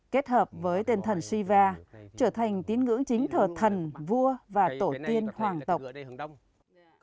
kết hợp với tên thần shiva trở thành tín ngữ chính thờ thần vua và tổ tiên hoàng tộc